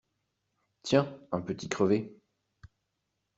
Tiens ! un petit crevé !